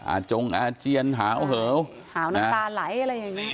จงอาเจียนหาวเหิวหาวน้ำตาไหลอะไรอย่างนี้